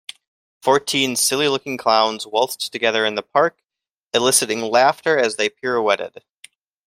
Fourteen silly looking clowns waltzed together in the park eliciting laughter as they pirouetted.